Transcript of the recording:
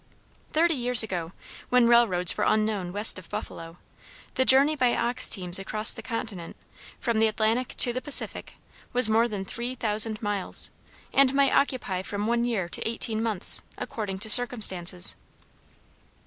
Thirty years ago, when railroads were unknown west of Buffalo, the journey by ox teams across the continent, from the Atlantic to the Pacific, was more than three thousand miles, and might occupy from one year to eighteen months, according to circumstances.